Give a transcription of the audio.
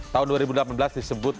tahun dua ribu delapan belas disebut